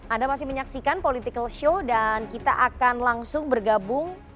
anda masih menyaksikan political show dan kita akan langsung bergabung